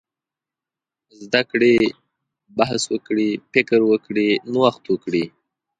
زده کړي، بحث وکړي، فکر وکړي، نوښت وکړي.